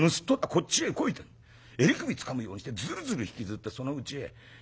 こっちへ来い』と襟首つかむようにしてズルズル引きずってそのうちへねじ込んだってえんだよ。